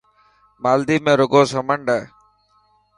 مالديپ ۾ رگو سمنڊ هي.